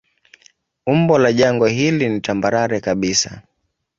Umbo la jangwa hili ni tambarare kabisa.